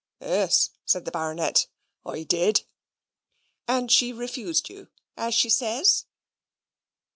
"Ees," said the Baronet, "I did." "And she refused you as she says?"